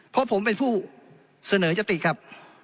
เพราะผมเป็นผู้เสนอยติครับ